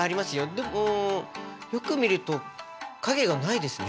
でもよく見ると影がないですね。